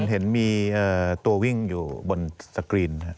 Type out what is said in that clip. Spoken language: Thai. เห็นมีตัววิ่งอยู่บนสกรีน